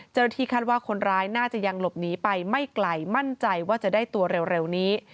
เจ้าหน้าที่คาดว่าคนร้ายน่าจะยังหลบหนีไปไม่ไกลมั่นใจว่าจะได้ตัวเร็วนี้